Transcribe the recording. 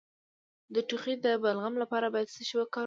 د ټوخي د بلغم لپاره باید څه شی وکاروم؟